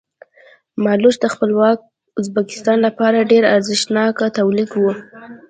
مالوچ د خپلواک ازبکستان لپاره ډېر ارزښتناک تولید و.